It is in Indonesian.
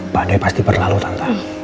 pada pasti berlalu tante